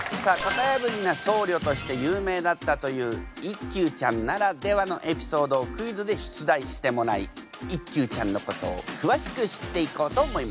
やぶりな僧侶として有名だったという一休ちゃんならではのエピソードをクイズで出題してもらい一休ちゃんのことを詳しく知っていこうと思います。